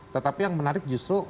tetapi yang menarik justru